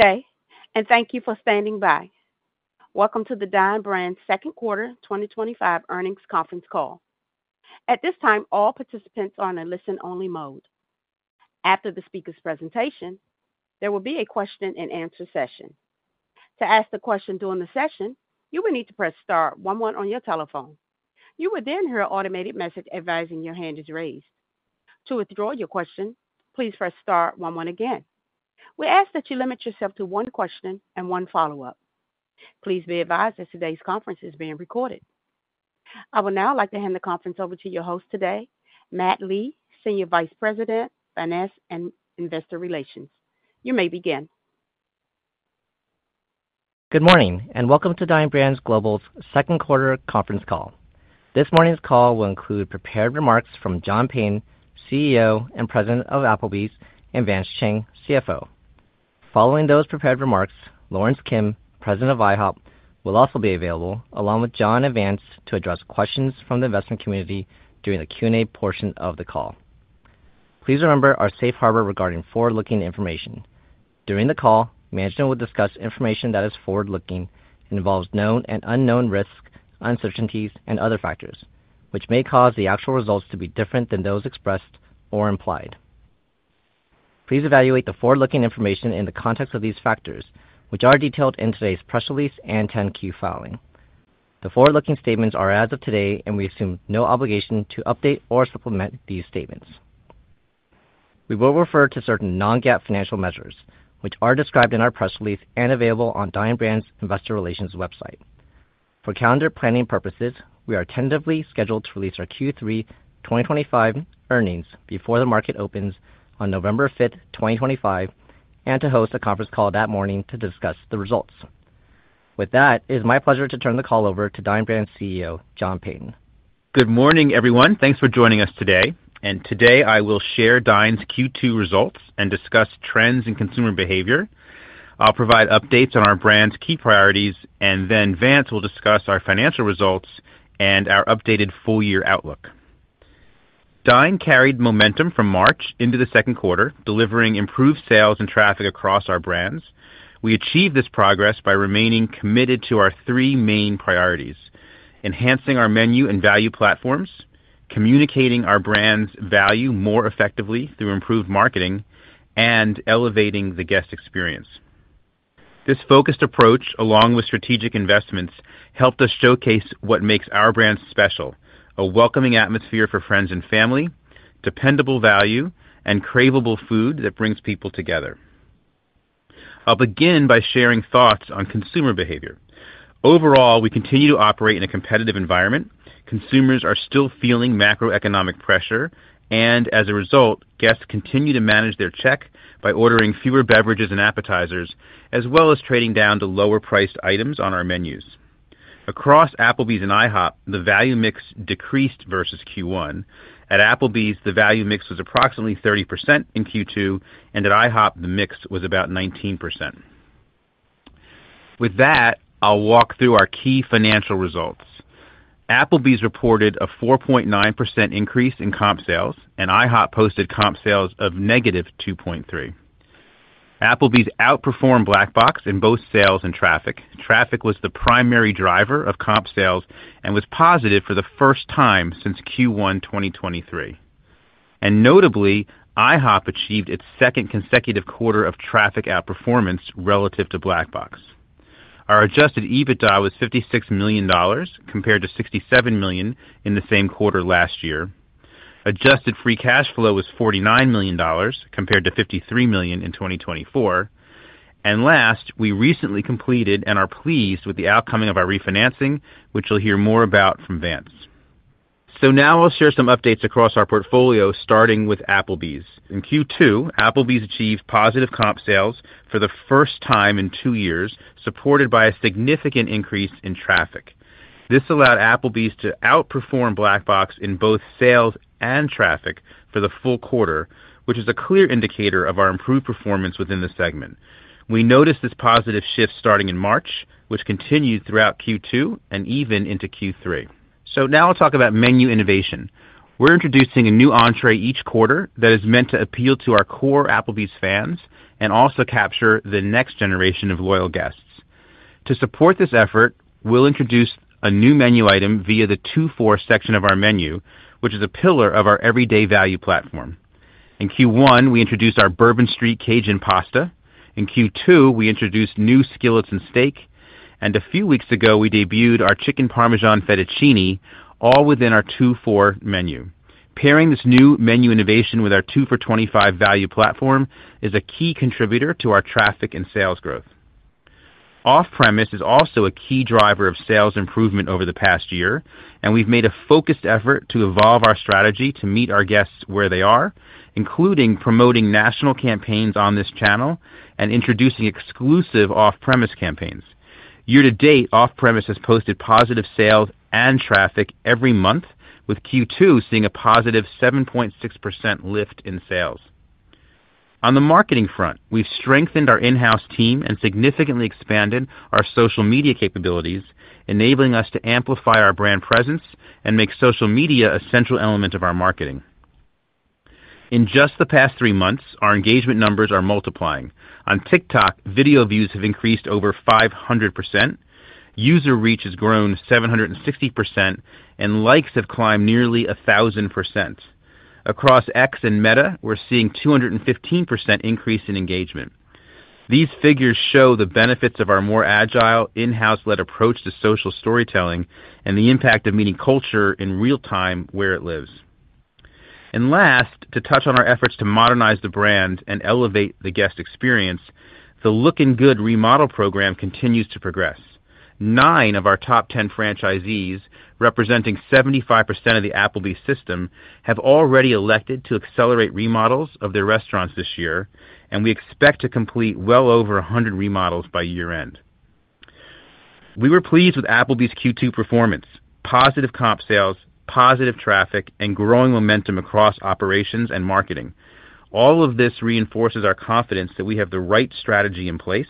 Okay. Thank you for standing by. Welcome to the Dine Brands Global second quarter 2025 earnings conference call. At this time, all participants are in a listen-only mode. After the speaker's presentation, there will be a question-and-answer session. To ask a question during the session, you will need to press star one one on your telephone. You will then hear an automated message advising your hand is raised. To withdraw your question, please press star one one again. We ask that you limit yourself to one question and one follow-up. Please be advised that today's conference is being recorded. I would now like to hand the conference over to your host today, Matt Lee, Senior Vice President, Finance and Investor Relations. You may begin. Good morning and welcome to Dine Brands Global's second quarter conference call. This morning's call will include prepared remarks from John Peyton, CEO and President of Applebee's, and Vance Chang, CFO. Following those prepared remarks, Lawrence Kim, President of IHOP, will also be available along with John and Vance to address questions from the investment community during the Q&A portion of the call. Please remember our safe harbor regarding forward-looking information. During the call, management will discuss information that is forward-looking and involves known and unknown risks, uncertainties, and other factors, which may cause the actual results to be different than those expressed or implied. Please evaluate the forward-looking information in the context of these factors, which are detailed in today's press release and 10-Q filing. The forward-looking statements are as of today, and we assume no obligation to update or supplement these statements. We will refer to certain non-GAAP financial measures, which are described in our press release and available on Dine Brands' Investor Relations website. For calendar planning purposes, we are tentatively scheduled to release our Q3 2025 earnings before the market opens on November 5, 2025, and to host a conference call that morning to discuss the results. With that, it is my pleasure to turn the call over to Dine Brands' CEO, John Peyton. Good morning, everyone. Thanks for joining us today. Today, I will share Dine Brands Global's Q2 results and discuss trends in consumer behavior. I'll provide updates on our brands' key priorities, and then Vance will discuss our financial results and our updated full-year outlook. Dine Brands Global carried momentum from March into the second quarter, delivering improved sales and traffic across our brands. We achieved this progress by remaining committed to our three main priorities: enhancing our menu and value platforms, communicating our brands' value more effectively through improved marketing, and elevating the guest experience. This focused approach, along with strategic investments, helped us showcase what makes our brands special: a welcoming atmosphere for friends and family, dependable value, and craveable food that brings people together. I'll begin by sharing thoughts on consumer behavior. Overall, we continue to operate in a competitive environment. Consumers are still feeling macroeconomic pressure, and as a result, guests continue to manage their check by ordering fewer beverages and appetizers, as well as trading down to lower-priced items on our menus. Across Applebee's and IHOP, the value mix decreased versus Q1. At Applebee's, the value mix was approximately 30% in Q2, and at IHOP, the mix was about 19%. With that, I'll walk through our key financial results. Applebee's reported a 4.9% increase in comp sales, and IHOP posted comp sales of -2.3%. Applebee's outperformed Black Box in both sales and traffic. Traffic was the primary driver of comp sales and was positive for the first time since Q1 2023. Notably, IHOP achieved its second consecutive quarter of traffic outperformance relative to Black Box. Our adjusted EBITDA was $56 million compared to $67 million in the same quarter last year. Adjusted free cash flow was $49 million compared to $53 million in 2024. We recently completed and are pleased with the outcome of our refinancing, which you'll hear more about from Vance. Now I'll share some updates across our portfolio, starting with Applebee's. In Q2, Applebee's achieved positive comp sales for the first time in two years, supported by a significant increase in traffic. This allowed Applebee's to outperform Black Box in both sales and traffic for the full quarter, which is a clear indicator of our improved performance within the segment. We noticed this positive shift starting in March, which continued throughout Q2 and even into Q3. Now I'll talk about menu innovation. We're introducing a new entree each quarter that is meant to appeal to our core Applebee's fans and also capture the next generation of loyal guests. To support this effort, we'll introduce a new menu item via the 2 for $25 section of our menu, which is a pillar of our everyday value platform. In Q1, we introduced our Bourbon Street Cajun Pasta. In Q2, we introduced new Skillet & Steak. A few weeks ago, we debuted our Chicken Parmesan Fettuccini, all within our 2 for $25 menu. Pairing this new menu innovation with our 2 for $25 value platform is a key contributor to our traffic and sales growth. Off-premise is also a key driver of sales improvement over the past year, and we've made a focused effort to evolve our strategy to meet our guests where they are, including promoting national campaigns on this channel and introducing exclusive off-premise campaigns. Year to date, off-premise has posted positive sales and traffic every month, with Q2 seeing a positive 7.6% lift in sales. On the marketing front, we've strengthened our in-house team and significantly expanded our social media capabilities, enabling us to amplify our brand presence and make social media a central element of our marketing. In just the past three months, our engagement numbers are multiplying. On TikTok, video views have increased over 500%, user reach has grown 760%, and likes have climbed nearly 1,000%. Across X and Meta, we're seeing a 215% increase in engagement. These figures show the benefits of our more agile, in-house-led approach to social storytelling and the impact of meeting culture in real time where it lives. To touch on our efforts to modernize the brand and elevate the guest experience, the Looking Good remodel program continues to progress. Nine of our top 10 franchisees, representing 75% of the Applebee's system, have already elected to accelerate remodels of their restaurants this year, and we expect to complete well over 100 remodels by year-end. We were pleased with Applebee's Q2 performance: positive comp sales, positive traffic, and growing momentum across operations and marketing. All of this reinforces our confidence that we have the right strategy in place.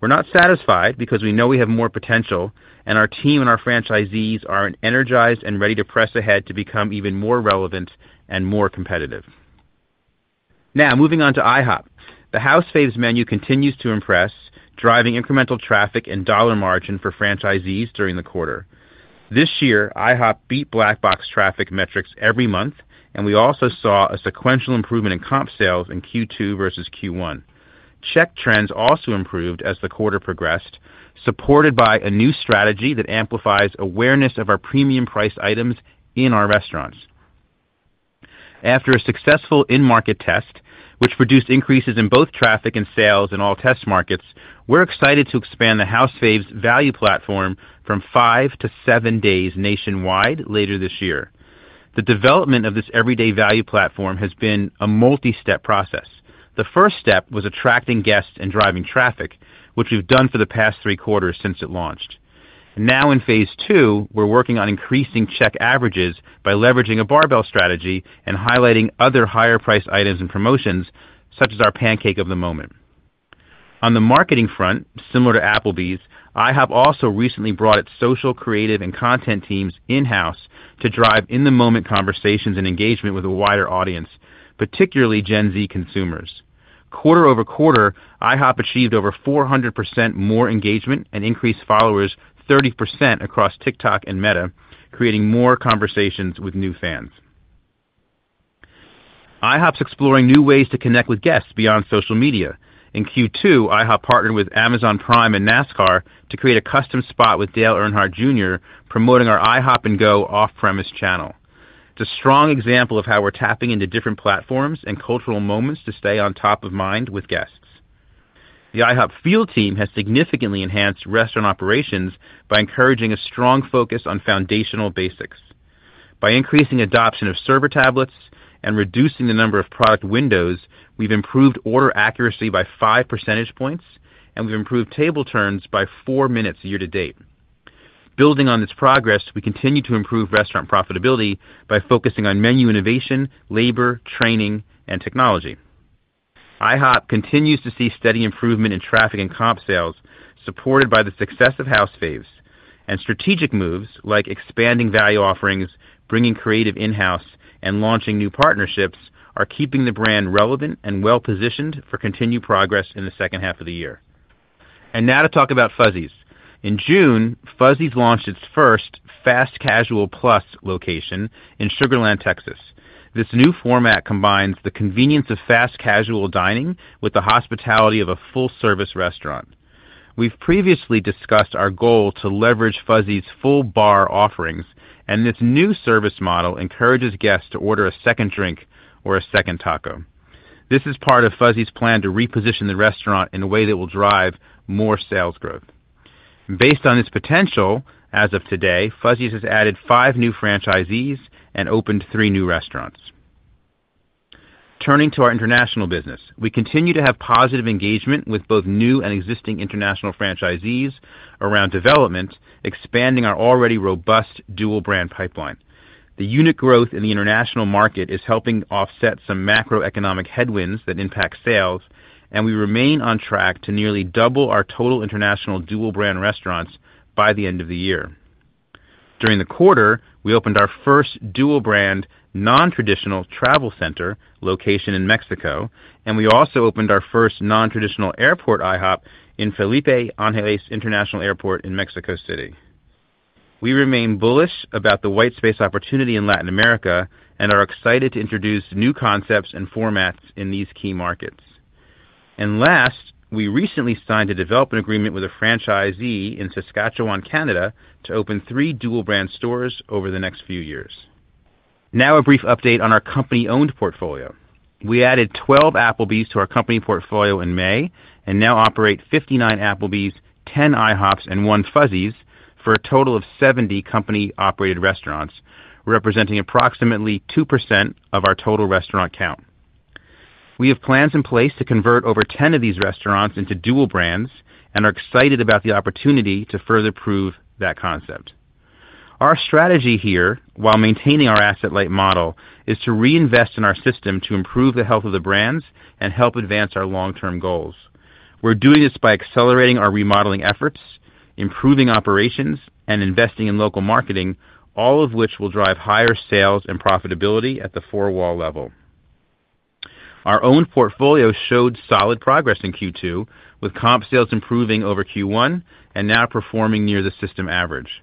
We're not satisfied because we know we have more potential, and our team and our franchisees are energized and ready to press ahead to become even more relevant and more competitive. Now, moving on to IHOP, the house faves menu continues to impress, driving incremental traffic and dollar margin for franchisees during the quarter. This year, IHOP beat Black Box traffic metrics every month, and we also saw a sequential improvement in comp sales in Q2 versus Q1. Check trends also improved as the quarter progressed, supported by a new strategy that amplifies awareness of our premium-priced items in our restaurants. After a successful in-market test, which produced increases in both traffic and sales in all test markets, we're excited to expand the house faves value platform from five to seven days nationwide later this year. The development of this everyday value platform has been a multi-step process. The first step was attracting guests and driving traffic, which we've done for the past three quarters since it launched. Now, in phase two, we're working on increasing check averages by leveraging a barbell strategy and highlighting other higher-priced items and promotions, such as our pancake of the moment. On the marketing front, similar to Applebee's, IHOP also recently brought its social, creative, and content teams in-house to drive in-the-moment conversations and engagement with a wider audience, particularly Gen Z consumers. Quarter over quarter, IHOP achieved over 400% more engagement and increased followers 30% across TikTok and Meta, creating more conversations with new fans. IHOP's exploring new ways to connect with guests beyond social media. In Q2, IHOP partnered with Amazon Prime and NASCAR to create a custom spot with Dale Earnhardt Jr., promoting our IHOP and Go off-premise channel. It's a strong example of how we're tapping into different platforms and cultural moments to stay on top of mind with guests. The IHOP field team has significantly enhanced restaurant operations by encouraging a strong focus on foundational basics. By increasing adoption of server tablets and reducing the number of product windows, we've improved order accuracy by 5 percentage points, and we've improved table turns by 4 minutes year to date. Building on this progress, we continue to improve restaurant profitability by focusing on menu innovation, labor, training, and technology. IHOP continues to see steady improvement in traffic and comp sales, supported by the success of house faves. Strategic moves like expanding value offerings, bringing creative in-house, and launching new partnerships are keeping the brand relevant and well-positioned for continued progress in the second half of the year. Now to talk about Fuzzy's. In June, Fuzzy's launched its first Fast Casual Plus location in Sugarland, Texas. This new format combines the convenience of fast casual dining with the hospitality of a full-service restaurant. We've previously discussed our goal to leverage Fuzzy's full bar offerings, and its new service model encourages guests to order a second drink or a second taco. This is part of Fuzzy's plan to reposition the restaurant in a way that will drive more sales growth. Based on its potential, as of today, Fuzzy's has added five new franchisees and opened three new restaurants. Turning to our international business, we continue to have positive engagement with both new and existing international franchisees around development, expanding our already robust dual-brand pipeline. The unit growth in the international market is helping offset some macroeconomic headwinds that impact sales, and we remain on track to nearly double our total international dual-brand restaurants by the end of the year. During the quarter, we opened our first dual-brand non-traditional travel center location in Mexico, and we also opened our first non-traditional airport IHOP in Felipe Ángeles International Airport in Mexico City. We remain bullish about the whitespace opportunity in Latin America and are excited to introduce new concepts and formats in these key markets. Last, we recently signed a development agreement with a franchisee in Saskatchewan, Canada, to open three dual-brand stores over the next few years. Now, a brief update on our company-owned portfolio. We added 12 Applebee's to our company portfolio in May and now operate 59 Applebee's, 10 IHOPs, and one Fuzzy's for a total of 70 company-operated restaurants, representing approximately 2% of our total restaurant count. We have plans in place to convert over 10 of these restaurants into dual brands and are excited about the opportunity to further prove that concept. Our strategy here, while maintaining our asset-light model, is to reinvest in our system to improve the health of the brands and help advance our long-term goals. We're doing this by accelerating our remodeling efforts, improving operations, and investing in local marketing, all of which will drive higher sales and profitability at the four-wall level. Our own portfolio showed solid progress in Q2, with comp sales improving over Q1 and now performing near the system average.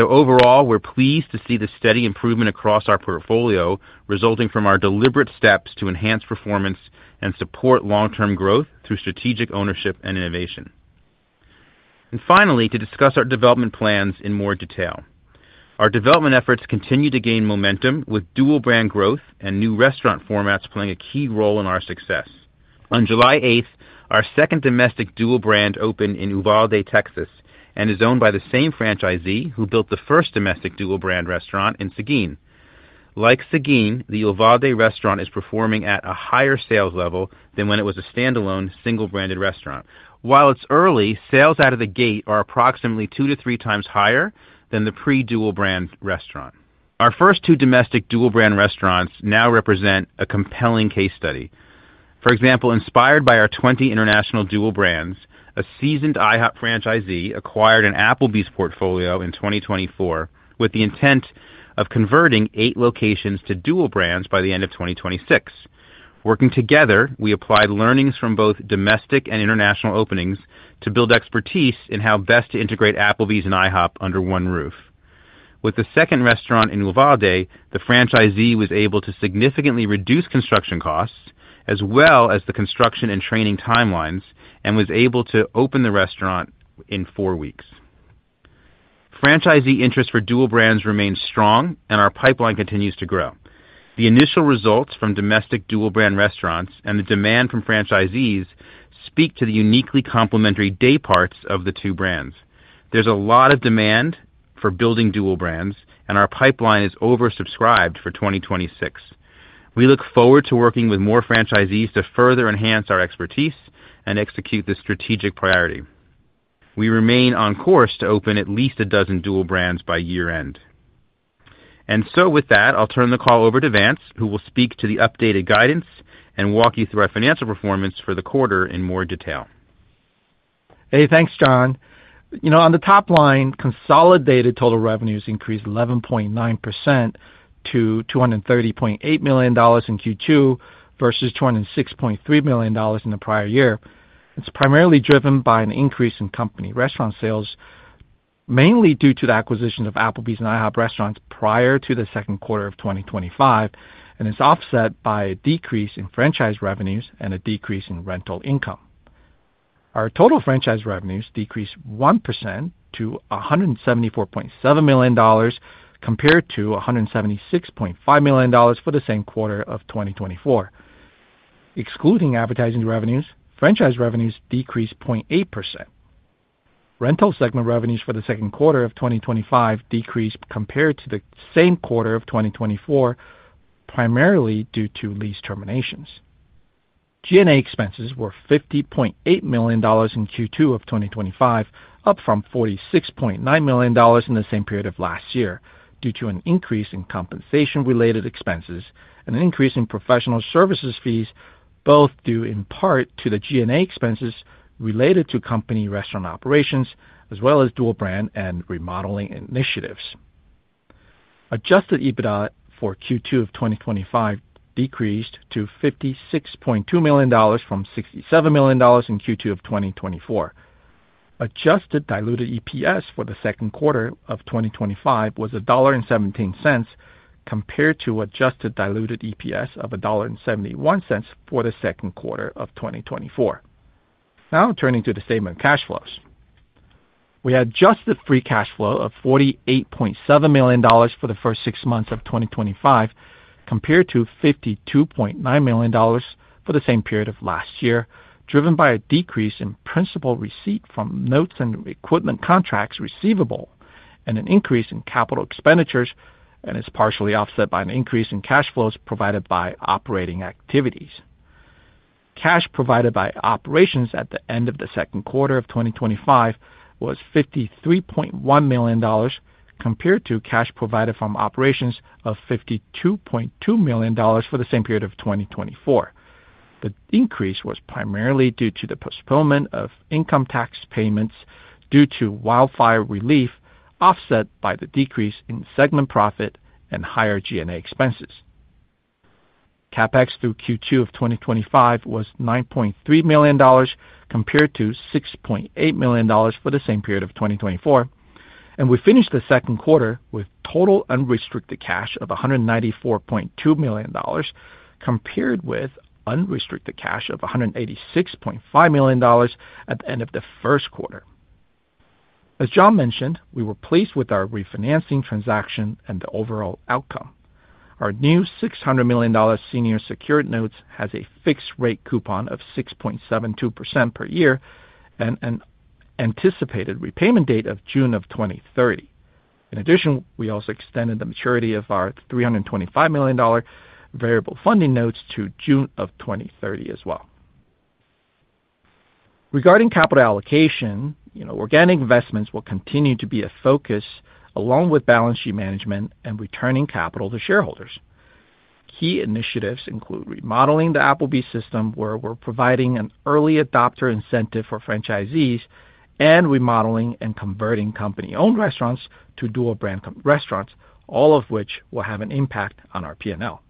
Overall, we're pleased to see the steady improvement across our portfolio resulting from our deliberate steps to enhance performance and support long-term growth through strategic ownership and innovation. Finally, to discuss our development plans in more detail. Our development efforts continue to gain momentum with dual-brand growth and new restaurant formats playing a key role in our success. On July 8th, our second domestic dual brand opened in Uvalde, Texas, and is owned by the same franchisee who built the first domestic dual-brand restaurant in Seguin. Like Seguin, the Uvalde restaurant is performing at a higher sales level than when it was a standalone single-branded restaurant. While it's early, sales out of the gate are approximately two to three times higher than the pre-dual brand restaurant. Our first two domestic dual-brand restaurants now represent a compelling case study. For example, inspired by our 20 international dual brands, a seasoned IHOP franchisee acquired an Applebee's portfolio in 2024 with the intent of converting eight locations to dual brands by the end of 2026. Working together, we applied learnings from both domestic and international openings to build expertise in how best to integrate Applebee's and IHOP under one roof. With the second restaurant in Uvalde, the franchisee was able to significantly reduce construction costs, as well as the construction and training timelines, and was able to open the restaurant in four weeks. Franchisee interest for dual brands remains strong, and our pipeline continues to grow. The initial results from domestic dual brand restaurants and the demand from franchisees speak to the uniquely complementary day parts of the two brands. There is a lot of demand for building dual brands, and our pipeline is oversubscribed for 2026. We look forward to working with more franchisees to further enhance our expertise and execute this strategic priority. We remain on course to open at least a dozen dual brands by year-end. With that, I'll turn the call over to Vance, who will speak to the updated guidance and walk you through our financial performance for the quarter in more detail. Hey, thanks, John. You know, on the top line, consolidated total revenues increased 11.9% to $230.8 million in Q2 versus $206.3 million in the prior year. It's primarily driven by an increase in company restaurant sales, mainly due to the acquisition of Applebee's and IHOP restaurants prior to the second quarter of 2025, and it's offset by a decrease in franchise revenues and a decrease in rental income. Our total franchise revenues decreased 1% to $174.7 million compared to $176.5 million for the same quarter of 2024. Excluding advertising revenues, franchise revenues decreased 0.8%. Rental segment revenues for the second quarter of 2025 decreased compared to the same quarter of 2024, primarily due to lease terminations. G&A expenses were $50.8 million in Q2 of 2025, up from $46.9 million in the same period of last year due to an increase in compensation-related expenses and an increase in professional services fees, both due in part to the G&A expenses related to company restaurant operations as well as dual-brand and remodeling initiatives. Adjusted EBITDA for Q2 of 2025 decreased to $56.2 million from $67 million in Q2 of 2024. Adjusted diluted EPS for the second quarter of 2025 was $1.17 compared to adjusted diluted EPS of $1.71 for the second quarter of 2024. Now, turning to the statement of cash flows. We had just a free cash flow of $48.7 million for the first six months of 2025 compared to $52.9 million for the same period of last year, driven by a decrease in principal receipt from notes and equipment contracts receivable and an increase in capital expenditures, and it's partially offset by an increase in cash flows provided by operating activities. Cash provided by operations at the end of the second quarter of 2025 was $53.1 million compared to cash provided from operations of $52.2 million for the same period of 2024. The increase was primarily due to the postponement of income tax payments due to wildfire relief offset by the decrease in segment profit and higher G&A expenses. CapEx through Q2 of 2025 was $9.3 million compared to $6.8 million for the same period of 2024. We finished the second quarter with total unrestricted cash of $194.2 million compared with unrestricted cash of $186.5 million at the end of the first quarter. As John mentioned, we were pleased with our refinancing transaction and the overall outcome. Our new $600 million senior secured notes have a fixed rate coupon of 6.72% per year and an anticipated repayment date of June of 2030. In addition, we also extended the maturity of our $325 million variable funding notes to June of 2030 as well. Regarding capital allocation, you know, organic investments will continue to be a focus along with balance sheet management and returning capital to shareholders. Key initiatives include remodeling the Applebee's system, where we're providing an early adopter incentive for franchisees, and remodeling and converting company-owned restaurants to dual brand restaurants, all of which will have an impact on our P&L.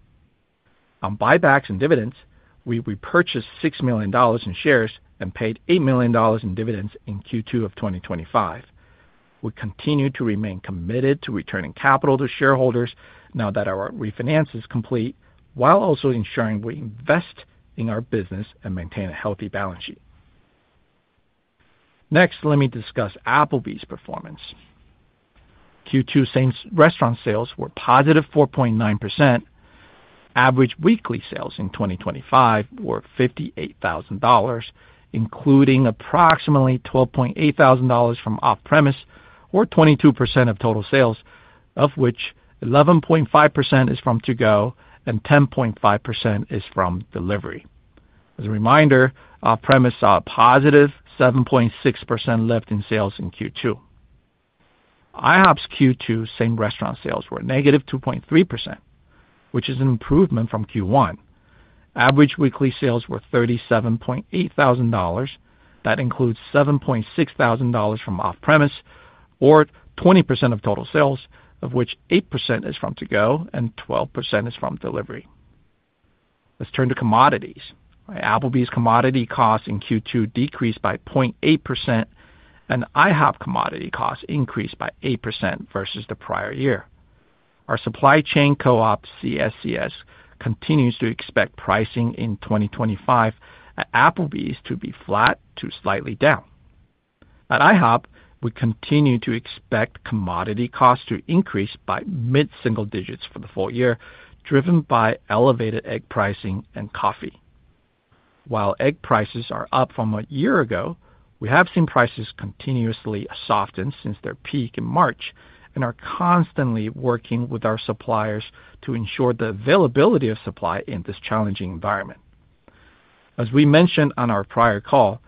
On buybacks and dividends, we repurchased $6 million in shares and paid $8 million in dividends in Q2 of 2025. We continue to remain committed to returning capital to shareholders now that our refinance is complete, while also ensuring we invest in our business and maintain a healthy balance sheet. Next, let me discuss Applebee's performance. Q2 restaurant sales were positive 4.9%. Average weekly sales in 2025 were $58,000, including approximately $12.8 thousand from off-premise, or 22% of total sales, of which 11.5% is from to-go and 10.5% is from delivery. As a reminder, off-premise saw a positive 7.6% lift in sales in Q2. IHOP's Q2 same restaurant sales were negative 2.3%, which is an improvement from Q1. Average weekly sales were $37.8 thousand. That includes $7,600 from off-premise, or 20% of total sales, of which 8% is from to-go and 12% is from delivery. Let's turn to commodities. Applebee's commodity costs in Q2 decreased by 0.8%, and IHOP commodity costs increased by 8% versus the prior year. Our supply chain co-op, CSCS, continues to expect pricing in 2025 at Applebee's to be flat to slightly down. At IHOP, we continue to expect commodity costs to increase by mid-single digits for the full year, driven by elevated egg pricing and coffee. While egg prices are up from a year ago, we have seen prices continuously soften since their peak in March and are constantly working with our suppliers to ensure the availability of supply in this challenging environment. As we mentioned on our prior call,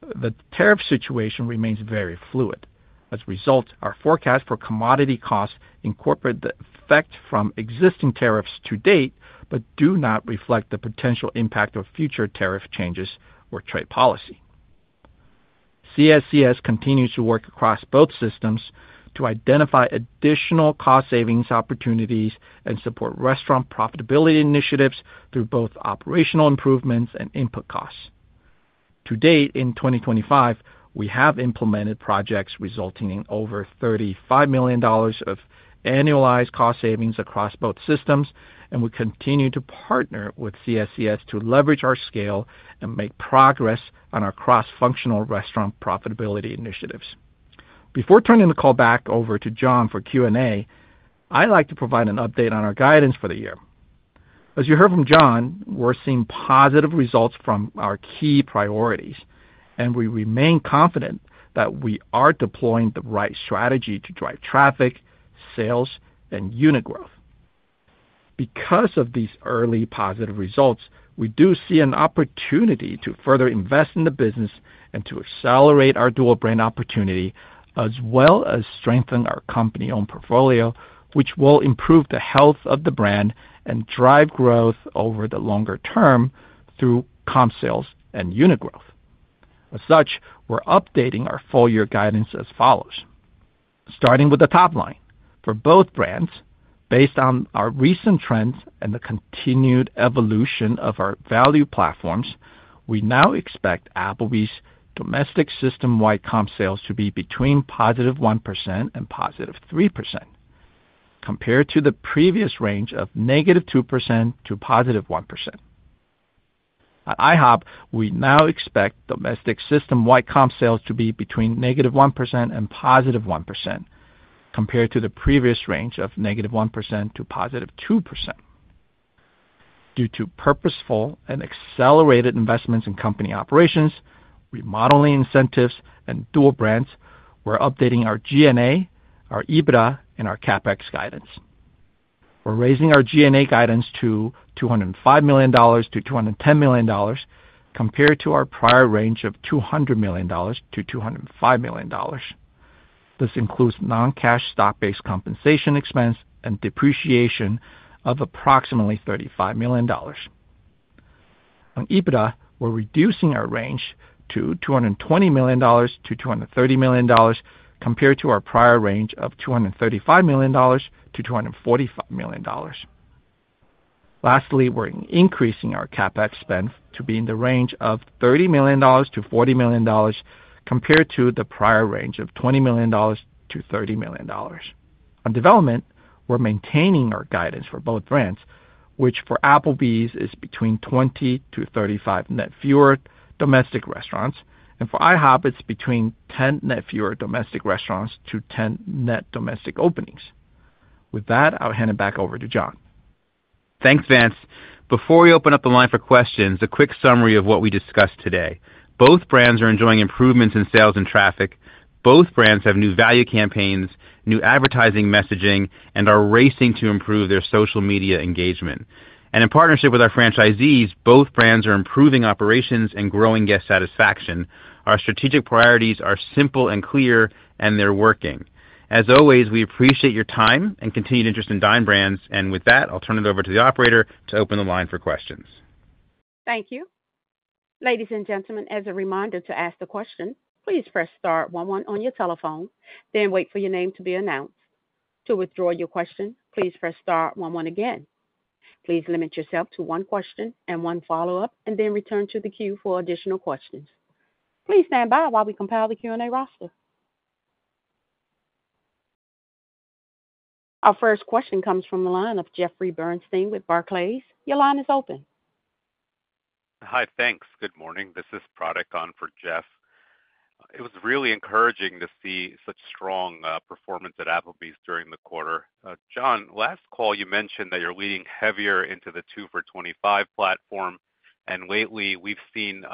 the tariff situation remains very fluid. As a result, our forecast for commodity costs incorporate the effects from existing tariffs to date but do not reflect the potential impact of future tariff changes or trade policy. CSCS continues to work across both systems to identify additional cost savings opportunities and support restaurant profitability initiatives through both operational improvements and input costs. To date, in 2024, we have implemented projects resulting in over $35 million of annualized cost savings across both systems, and we continue to partner with CSCS to leverage our scale and make progress on our cross-functional restaurant profitability initiatives. Before turning the call back over to John for Q&A, I'd like to provide an update on our guidance for the year. As you heard from John, we're seeing positive results from our key priorities, and we remain confident that we are deploying the right strategy to drive traffic, sales, and unit growth. Because of these early positive results, we do see an opportunity to further invest in the business and to accelerate our dual-brand opportunity, as well as strengthen our company-owned portfolio, which will improve the health of the brand and drive growth over the longer term through comp sales and unit growth. As such, we're updating our full-year guidance as follows. Starting with the top line. For both brands, based on our recent trends and the continued evolution of our value platforms, we now expect Applebee's domestic system-wide comp sales to be between positive 1% and positive 3%, compared to the previous range of negative 2% to positive 1%. At IHOP, we now expect domestic system-wide comp sales to be between negative 1% and positive 1%, compared to the previous range of negative 1% to positive 2%. Due to purposeful and accelerated investments in company operations, remodeling incentives, and dual brands, we're updating our G&A, our adjusted EBITDA, and our CapEx guidance. We're raising our G&A guidance to $205 million-$210 million, compared to our prior range of $200 million-$205 million. This includes non-cash stock-based compensation expense and depreciation of approximately $35 million. On adjusted EBITDA, we're reducing our range to $220 million-$230 million, compared to our prior range of $235 million-$245 million. Lastly, we're increasing our CapEx spend to be in the range of $30 million-$40 million, compared to the prior range of $20 million-$30 million. On development, we're maintaining our guidance for both brands, which for Applebee's is between 20 to 35 net fewer domestic restaurants, and for IHOP it's between 10 net fewer domestic restaurants to 10 net domestic openings. With that, I'll hand it back over to John. Thanks, Vance. Before we open up the line for questions, a quick summary of what we discussed today. Both brands are enjoying improvements in sales and traffic. Both brands have new value campaigns, new advertising messaging, and are racing to improve their social media engagement. In partnership with our franchisees, both brands are improving operations and growing guest satisfaction. Our strategic priorities are simple and clear, and they're working. As always, we appreciate your time and continued interest in Dine Brands. With that, I'll turn it over to the operator to open the line for questions. Thank you. Ladies and gentlemen, as a reminder to ask a question, please press star one one on your telephone, then wait for your name to be announced. To withdraw your question, please press star one one again. Please limit yourself to one question and one follow-up, and then return to the queue for additional questions. Please stand by while we compile the Q&A roster. Our first question comes from a line of Jeffrey Bernstein with Barclays. Your line is open. Hi, thanks. Good morning. This is Pratik Patel on for Jeff. It was really encouraging to see such strong performance at Applebee's during the quarter. John, last call, you mentioned that you're leaning heavier into the 2 for $25 value platform, and lately, we've seen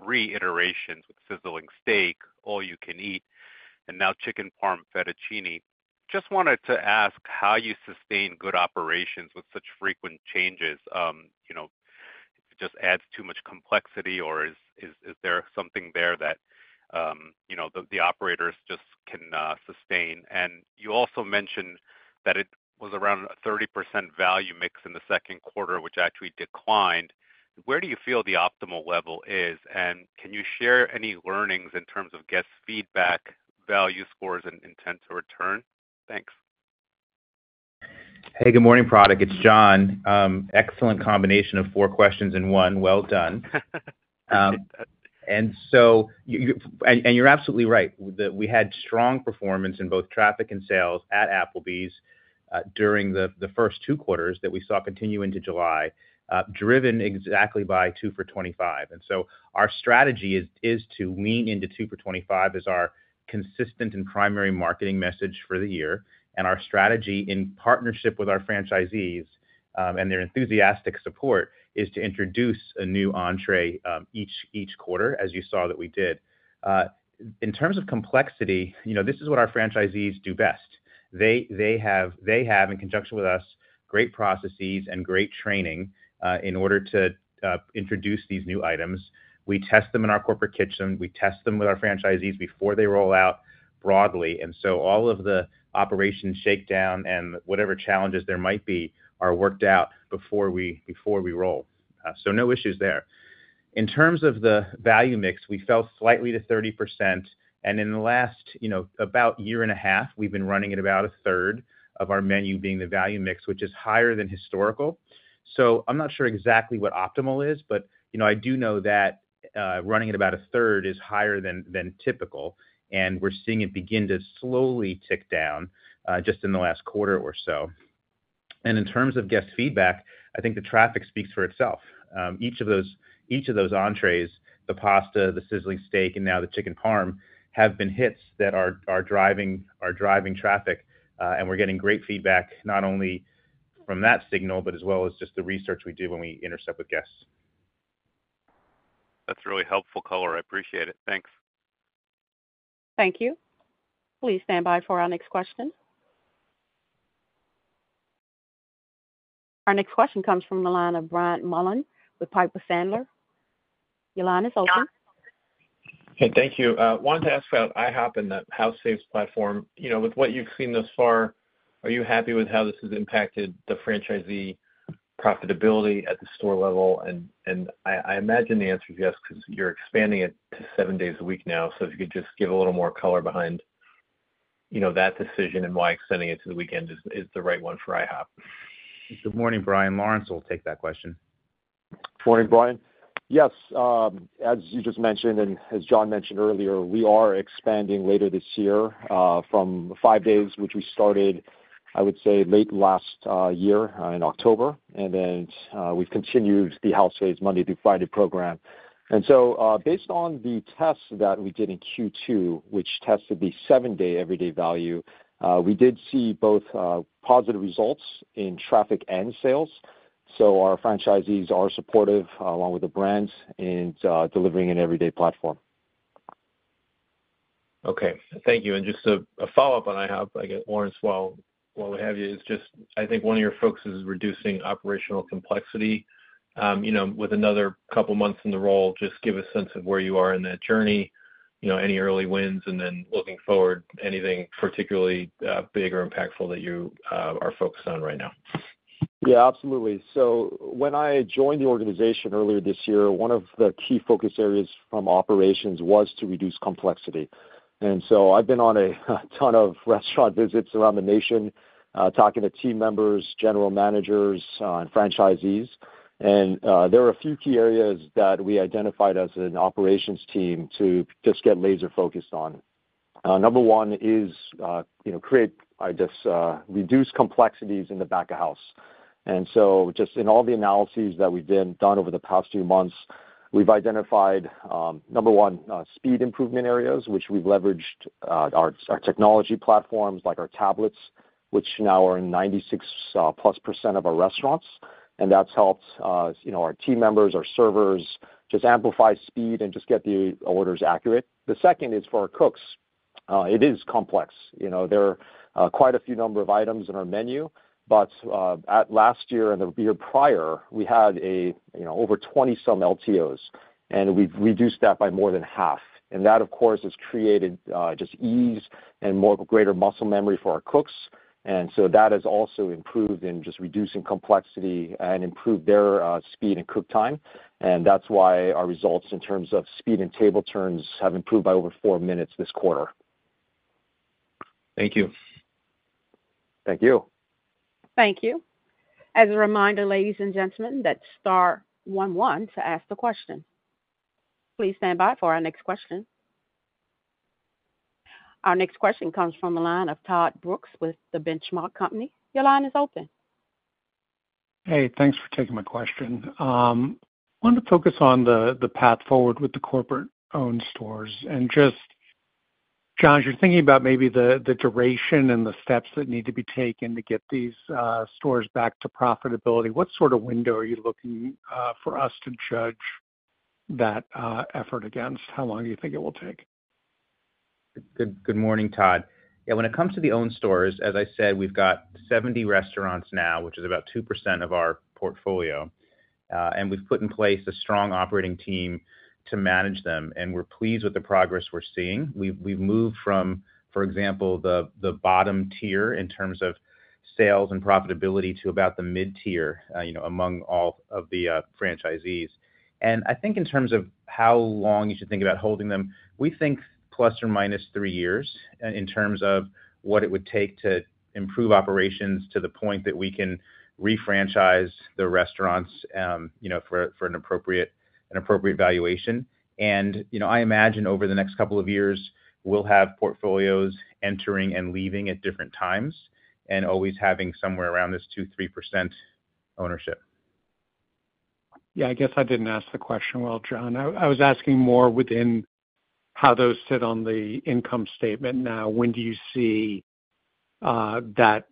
three iterations with Sizzling Steak, All You Can Eat, and now Chicken Parmesan Fettuccini. Just wanted to ask how you sustain good operations with such frequent changes. Does it just add too much complexity, or is there something there that the operators just can sustain? You also mentioned that it was around a 30% value mix in the second quarter, which actually declined. Where do you feel the optimal level is, and can you share any learnings in terms of guest feedback, value scores, and intent to return? Thanks. Hey, good morning, Product. It's John. Excellent combination of four questions in one. Well done. You're absolutely right that we had strong performance in both traffic and sales at Applebee's during the first two quarters that we saw continue into July, driven exactly by 2 for $25. Our strategy is to lean into 2 for $25 as our consistent and primary marketing message for the year. Our strategy, in partnership with our franchisees and their enthusiastic support, is to introduce a new entree each quarter, as you saw that we did. In terms of complexity, this is what our franchisees do best. They have, in conjunction with us, great processes and great training in order to introduce these new items. We test them in our corporate kitchen. We test them with our franchisees before they roll out broadly. All of the operation shakedown and whatever challenges there might be are worked out before we roll. No issues there. In terms of the value mix, we fell slightly to 30%. In the last, about a year and a half, we've been running at about a third of our menu being the value mix, which is higher than historical. I'm not sure exactly what optimal is, but I do know that running at about a third is higher than typical. We're seeing it begin to slowly tick down just in the last quarter or so. In terms of guest feedback, I think the traffic speaks for itself. Each of those entrees, the pasta, the sizzling steak, and now the chicken parm, have been hits that are driving traffic. We're getting great feedback not only from that signal, but as well as just the research we do when we intercept with guests. That's really helpful color. I appreciate it. Thanks. Thank you. Please stand by for our next question. Our next question comes from a line of Brian Mullan with Piper Sandler. Your line is open. Hey, thank you. I wanted to ask about IHOP and the house faves value platform. With what you've seen thus far, are you happy with how this has impacted the franchisee profitability at the store level? I imagine the answer is yes because you're expanding it to seven days a week now. If you could just give a little more color behind that decision and why extending it to the weekend is the right one for IHOP. Good morning, Brian Mullan. We'll take that question. Morning, Brian. Yes, as you just mentioned and as John mentioned earlier, we are expanding later this year from five days, which we started, I would say, late last year in October. We have continued the house faves Monday through Friday program. Based on the tests that we did in Q2, which tested the seven-day everyday value, we did see both positive results in traffic and sales. Our franchisees are supportive along with the brands in delivering an everyday platform. Okay. Thank you. Just a follow-up on IHOP, I guess, Lawrence, while we have you, I think one of your focuses is reducing operational complexity. With another couple of months in the role, just give a sense of where you are in that journey, any early wins, and looking forward, anything particularly big or impactful that you are focused on right now. Yeah, absolutely. When I joined the organization earlier this year, one of the key focus areas from operations was to reduce complexity. I have been on a ton of restaurant visits around the nation, talking to team members, General Managers, and franchisees. There are a few key areas that we identified as an operations team to just get laser-focused on. Number one is to reduce complexities in the back of house. In all the analyses that we've done over the past few months, we've identified, number one, speed improvement areas, which we've leveraged our technology platforms, like our tablets, which now are in 96% plus of our restaurants. That has helped our team members, our servers, just amplify speed and get the orders accurate. The second is for our cooks. It is complex. There are quite a few number of items in our menu, but last year and the year prior, we had over 20 some LTOs, and we've reduced that by more than half. That, of course, has created ease and greater muscle memory for our cooks. That has also improved in reducing complexity and improved their speed and cook time. That is why our results in terms of speed and table turns have improved by over four minutes this quarter. Thank you. Thank you. Thank you. As a reminder, ladies and gentlemen, that's star one one to ask the question. Please stand by for our next question. Our next question comes from a line of Todd Brooks with The Benchmark Company. Your line is open. Hey, thanks for taking my question. I wanted to focus on the path forward with the corporate-owned stores. John, as you're thinking about maybe the duration and the steps that need to be taken to get these stores back to profitability, what sort of window are you looking for us to judge that effort against? How long do you think it will take? Good morning, Todd. Yeah, when it comes to the owned stores, as I said, we've got 70 restaurants now, which is about 2% of our portfolio. We've put in place a strong operating team to manage them, and we're pleased with the progress we're seeing. We've moved from, for example, the bottom tier in terms of sales and profitability to about the mid-tier among all of the franchisees. I think in terms of how long you should think about holding them, we think plus or minus three years in terms of what it would take to improve operations to the point that we can re-franchise the restaurants for an appropriate valuation. I imagine over the next couple of years, we'll have portfolios entering and leaving at different times and always having somewhere around this 2-3% ownership. Yeah, I guess I didn't ask the question well, John. I was asking more within how those sit on the income statement now. When do you see that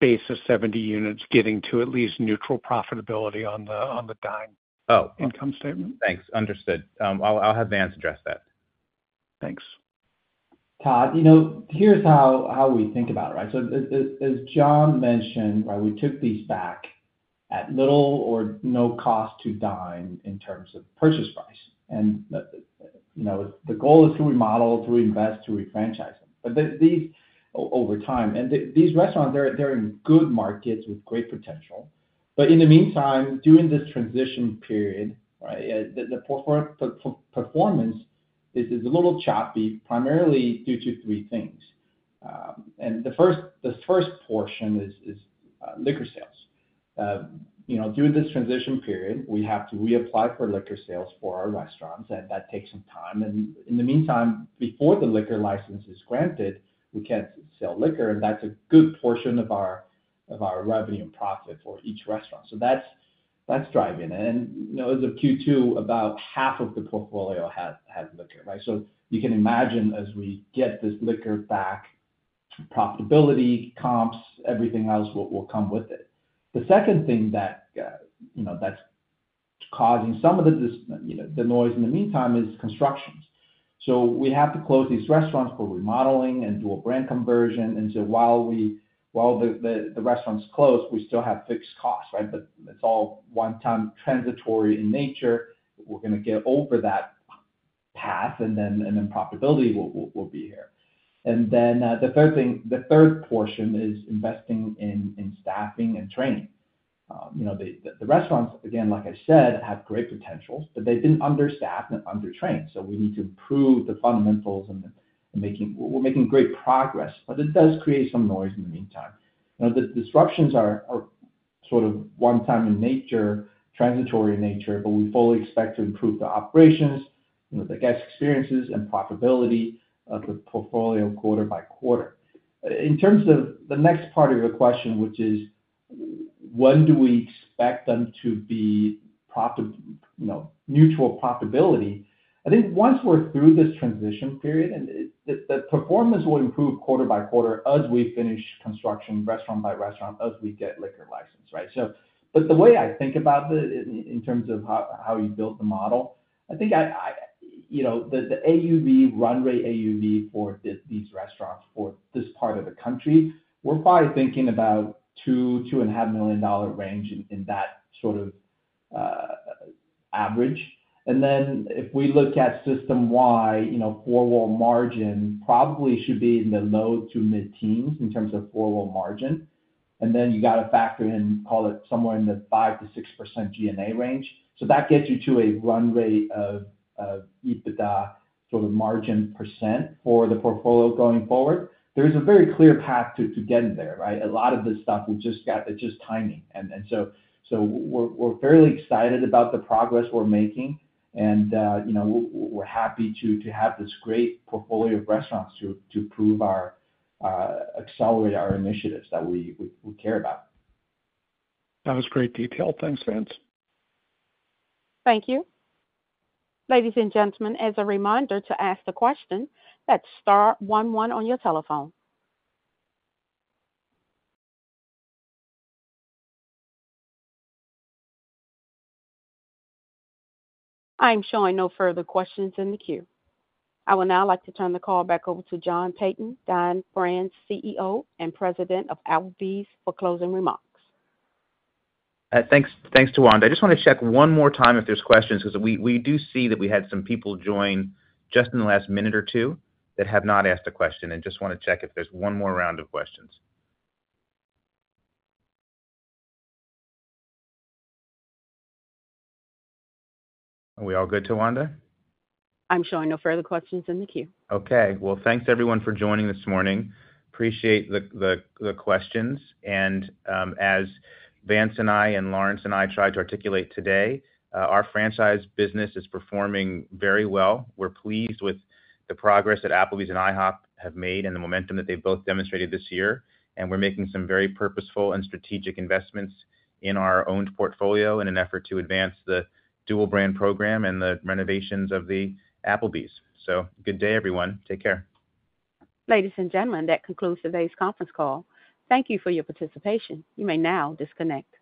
base of 70 units getting to at least neutral profitability on the Dine Brands Global income statement? Oh, thanks. Understood. I'll have Vance address that. Thanks. Todd, you know, here's how we think about it, right? As John mentioned, we took these back at little or no cost to Dine in terms of purchase price. The goal is to remodel, to invest, to re-franchise them. These, over time, and these restaurants, they're in good markets with great potential. In the meantime, during this transition period, the portfolio performance is a little choppy, primarily due to three things. The first portion is liquor sales. During this transition period, we have to reapply for liquor sales for our restaurants, and that takes some time. In the meantime, before the liquor license is granted, we can't sell liquor, and that's a good portion of our revenue and profit for each restaurant. That's driving it. As of Q2, about half of the portfolio has liquor, right? You can imagine as we get this liquor back, profitability, comps, everything else will come with it. The second thing that's causing some of the noise in the meantime is construction. We have to close these restaurants for remodeling and dual-brand conversion. While the restaurants close, we still have fixed costs, right? It's all one-time, transitory in nature. We're going to get over that path, and then profitability will be here. The third thing, the third portion is investing in staffing and training. The restaurants, again, like I said, have great potential, but they've been understaffed and undertrained. We need to improve the fundamentals, and we're making great progress, but it does create some noise in the meantime. The disruptions are sort of one-time in nature, transitory in nature, but we fully expect to improve the operations, the guest experiences, and profitability of the portfolio quarter by quarter. In terms of the next part of your question, which is when do we expect them to be neutral profitability, I think once we're through this transition period, the performance will improve quarter by quarter as we finish construction restaurant by restaurant as we get liquor licensed, right? The way I think about it in terms of how you built the model, I think the AUV run rate, AUV for these restaurants for this part of the country, we're probably thinking about $2 million, $2.5 million range in that sort of average. If we look at system-wide, four-wall margin probably should be in the low to mid-teens in terms of four-wall margin. You have to factor in, call it somewhere in the 5-6% G&A range. That gets you to a run rate of EBITDA sort of margin percent for the portfolio going forward. There is a very clear path to getting there. A lot of this stuff is just timing. We are fairly excited about the progress we're making, and we're happy to have this great portfolio of restaurants to prove or accelerate our initiatives that we care about. That was great detail. Thanks, Vance. Thank you. Ladies and gentlemen, as a reminder to ask the question, that's star one one on your telephone. I am showing no further questions in the queue. I would now like to turn the call back over to John Peyton, Dine Brands CEO and President of Applebee's for closing remarks. Thanks, Tawand. I just want to check one more time if there's questions because we do see that we had some people join just in the last minute or two that have not asked a question and just want to check if there's one more round of questions. Are we all good, Tawand? I'm showing no further questions in the queue. Thank you everyone for joining this morning. Appreciate the questions. As Vance and I and Lawrence and I tried to articulate today, our franchise business is performing very well. We're pleased with the progress that Applebee's and IHOP have made and the momentum that they've both demonstrated this year. We're making some very purposeful and strategic investments in our owned portfolio in an effort to advance the dual brand program and the renovations of the Applebee's. Good day, everyone. Take care. Ladies and gentlemen, that concludes today's conference call. Thank you for your participation. You may now disconnect.